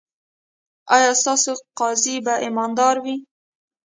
ایا ستاسو قاضي به ایماندار وي؟